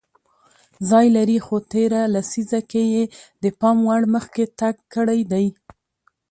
ځای لري خو تېره لیسزه کې یې د پام وړ مخکې تګ کړی دی